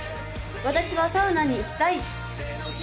・私はサウナに行きたい！